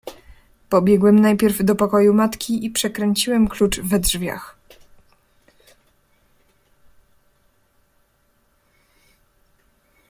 "Pobiegłem najpierw do pokoju matki i przekręciłem klucz we drzwiach."